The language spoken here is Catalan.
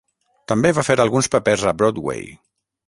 També va fer alguns papers a Broadway.